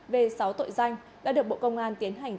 về sáu tội danh đã được bộ công an tiến hành